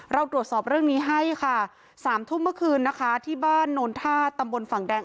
เราตรวจสอบเรื่องนี้ให้ค่ะสามทุ่มเมื่อคืนนะคะที่บ้านโนนท่าตำบลฝั่งแดง